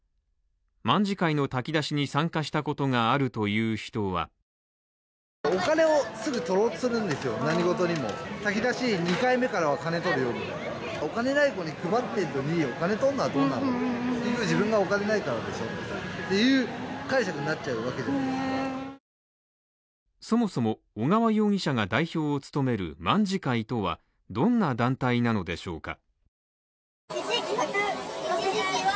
卍会の炊き出しに参加したことがあるという人はそもそも、小川容疑者が代表を務める卍会とはどんな団体なのでしょうか？